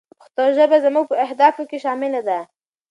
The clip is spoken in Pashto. پښتو ژبه زموږ په اهدافو کې شامله ده.